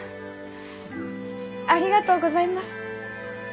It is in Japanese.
ありがとうございます。